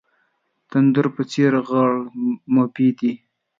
د تندر په څېر غړمبېدی.